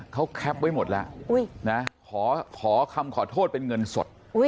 เขาแคปไว้หมดแล้วนะขอคำขอโทษเป็นเงินสด